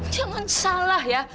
jangan salah ya